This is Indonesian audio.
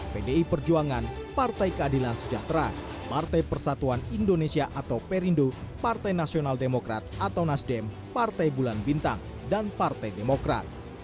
pdi perjuangan partai keadilan sejahtera partai persatuan indonesia atau perindo partai nasional demokrat atau nasdem partai bulan bintang dan partai demokrat